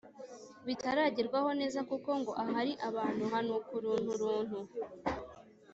bitaragerwaho neza kuko ngo ahari abantu hanuka urunturuntu.